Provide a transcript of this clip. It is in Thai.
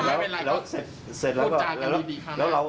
แล้วเสร็จเราก็